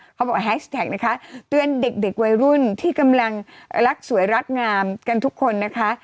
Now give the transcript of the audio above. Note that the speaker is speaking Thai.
เขาบอกแฮชแท็กนะคะเตือนเด็กวัยรุ่นที่กำลังรักสวยรักงามกันทุกคนนะคะ